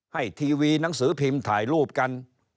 ทีวีหนังสือพิมพ์ถ่ายรูปกัน